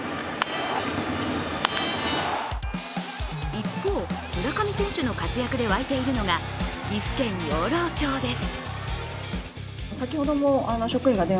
一方、村上選手の活躍で沸いているのが岐阜県養老町です。